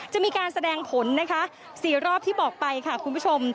จะมีการแสดงผลนะคะ๔รอบที่บอกไปค่ะคุณผู้ชม